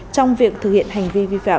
trong việc thực hiện hành vi vi phạm